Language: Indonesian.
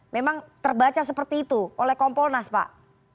memang terbaca seperti itu oleh kompolnas pak